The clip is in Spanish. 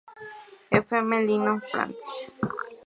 F. M, Lyon, France.